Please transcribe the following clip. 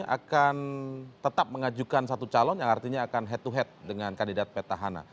akan tetap mengajukan satu calon yang artinya akan head to head dengan kandidat petahana